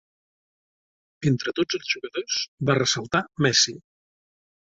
Entre tots els jugadors va ressaltar Messi.